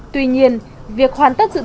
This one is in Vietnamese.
tuy nhiên việc hoàn tất sự tham gia